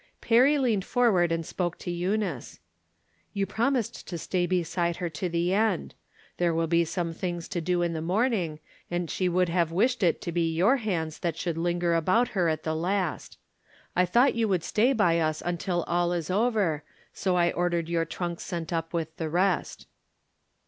Perry leaned forward and spoke to Eunice. " You promised to stay beside her to the end. There will be some things to do in the morning, and she would have wished it to be your hands that should linger about her at the last. I From Different Standpoints. 287 tKouglit you would stay by us until aUis over, so I ordered your trunks sent up with the rest."